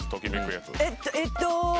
えっと。